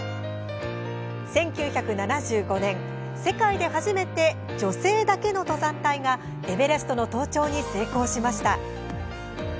１９７５年、世界で初めて女性だけの登山隊がエベレストの登頂に成功しました。